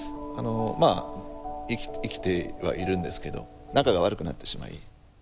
まあ生きてはいるんですけど仲が悪くなってしまい。